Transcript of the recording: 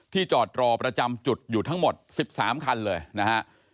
จอดรอประจำจุดอยู่ทั้งหมด๑๓คันเลยนะฮะ